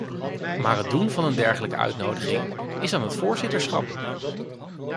Maar het doen van een dergelijke uitnodiging is aan het voorzitterschap.